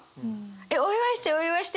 「お祝いして！お祝いして！」